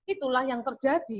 itulah yang terjadi